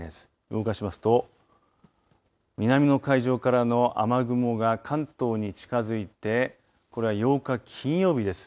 動かしますと南の海上からの雨雲が関東に近づいてこれは８日、金曜日です。